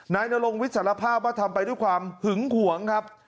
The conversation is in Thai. นายนรงวิทย์สารภาพว่าทำไปด้วยความหึงหวงครับ